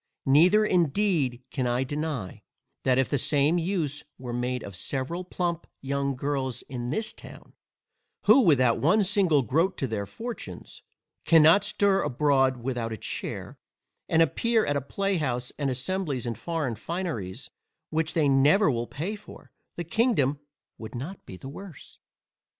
Neither indeed can I deny, that if the same use were made of several plump young girls in this town, who without one single groat to their fortunes, cannot stir abroad without a chair, and appear at a playhouse and assemblies in foreign fineries which they never will pay for, the kingdom would not be the worse.